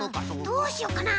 どうしようかな？